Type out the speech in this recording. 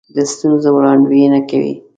د ستونزو وړاندوینه کوي.